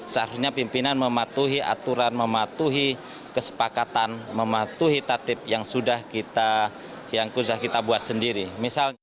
seharusnya pimpinan mematuhi aturan mematuhi kesepakatan mematuhi tatip yang sudah kita buat sendiri